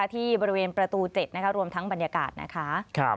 ที่บริเวณประตู๗รวมทั้งบรรยากาศนะคะ